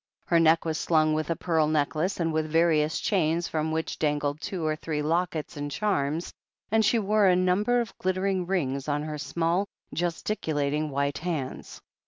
Her neck was slung with a pearl necklace, and with various chains from which dangled two or three lockets and charms, and she wore a num ber of glittering rings on her small, gesticulating white hands.